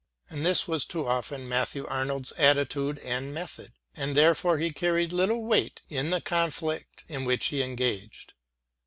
And this was too often Matthew Arnold's attitude and method. And therefore he carried little weight in the conflict in which he engaged.